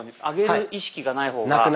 上げる意識がない方が。